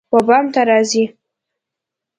وبام ته راځی